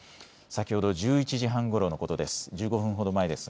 先ほど１１時半ごろのことです。